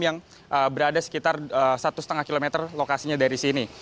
yang berada sekitar satu lima km lokasinya dari sini